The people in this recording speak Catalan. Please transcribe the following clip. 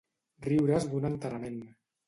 Riure's d'un enterrament.